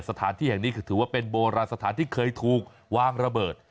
สถานที่แห่งนี้คือถือว่าเป็นโบราณสถานที่เคยถูกวางระเบิด